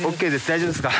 大丈夫ですか？